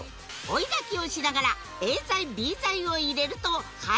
追いだきをしながらＡ剤Ｂ剤を入れると配管から